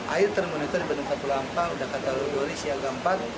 air termonitor di bendung katulampa bendung katulampa lodori siaga empat